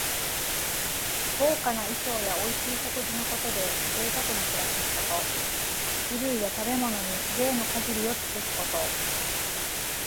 豪華な衣装やおいしい食事のことで、ぜいたくな暮らしのこと。衣類や食べ物に、ぜいの限りを尽くすこと。